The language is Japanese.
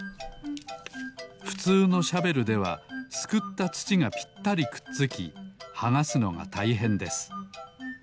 ふつうのシャベルではすくったつちがぴったりくっつきはがすのがたいへんです。